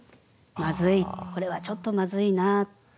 まずいこれはちょっとまずいなって。